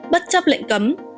bất chấp lệnh cấm